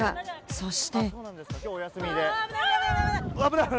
そして。